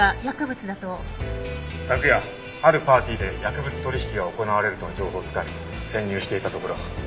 昨夜あるパーティーで薬物取引が行われるとの情報をつかみ潜入していたところ。